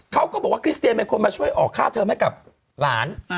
เขาก็บอกว่าคริสเตียนควรมาช่วยออกค่าเธอมั้ยกับหลาน